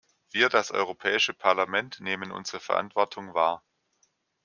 Wir das Europäische Parlament nehmen unsere Verantwortung wahr.